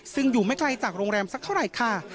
ซึ่งอยู่ไม่ไกลจากโรงแรมสักเท่าไหร่ค่ะ